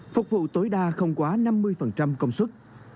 phục vụ tối đa không quá năm mươi công suất